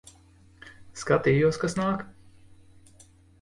Skatījos, kas nāk.